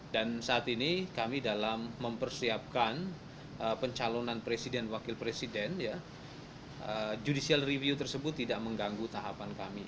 dan saat ini kami dalam mempersiapkan pencalonan presiden dan wakil presiden judicial review tersebut tidak mengganggu tahapan kami